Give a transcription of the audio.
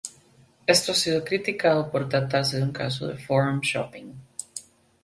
Esto ha sido criticado por tratarse de un caso de "forum shopping".